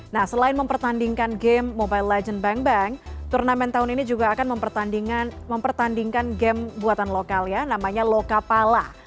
nah selain mempertandingkan game mobile legends bank bank turnamen tahun ini juga akan mempertandingkan game buatan lokal ya namanya lokapala